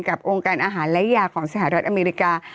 องค์การอาหารและยาของสหรัฐอเมริกา